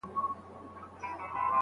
ته خيالوره، لکه مرغۍ د هوا